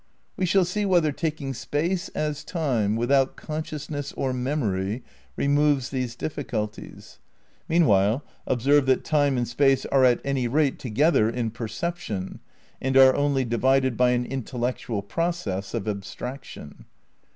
We shall see whether taking Space as Time without consciousness or memory removes these difficulties. Meanwhile, observe that Time and Space are at any rate together in perception and are only divided by an intellectual process of abstraction.